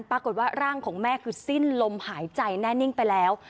ปรากฏว่าร่างของแม่คือสิ้นลมหายใจแน่นิ่งไปแล้ว